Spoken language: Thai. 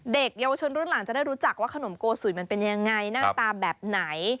เด็กเยาวชนรุ่นหลังจะได้รู้จักว่าขนมโกสุยมันเป็นยังไงหน้าตาแบบไหน